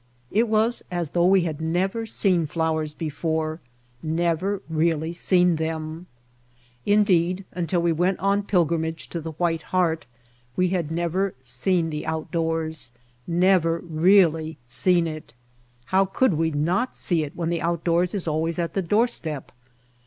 It was as though we had never seen flowers before, never really seen them. Indeed, until we went on pilgrimage to the White Heart, we had never seen the outdoors, The End of the Adventure never really seen it. How could we not see it when the outdoors is always on the doorstep?